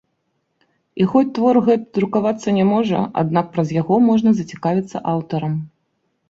І хоць твор гэты друкавацца не можа, аднак праз яго можна зацікавіцца аўтарам.